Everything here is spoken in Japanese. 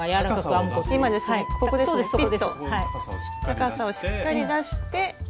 高さをしっかり出して。